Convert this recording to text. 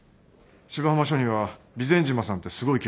芝浜署には備前島さんってすごい刑事がいる。